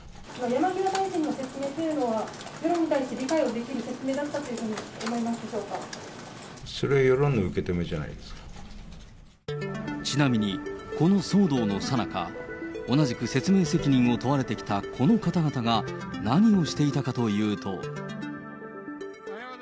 それは世論の受け止めじゃなちなみに、この騒動のさなか、同じく説明責任を問われてきたこの方々が何をしていたかというと。